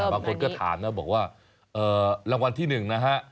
บางคนก็ถามแล้วบอกว่าเอ่อรางวัลที่๑นะฮะ